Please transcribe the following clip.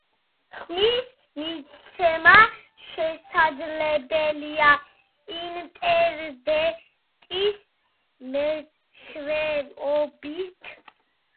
ხმის მიცემა შესაძლებელია ინტერნეტის მეშვეობით.